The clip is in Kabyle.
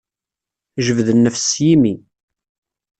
Jbed nnefs s yimi.